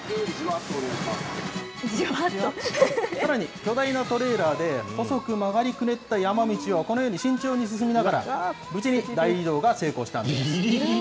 さらに、巨大なトレーラーで細く曲がりくねった山道を、このように慎重に進みながら、無事に大移動が成功したんです。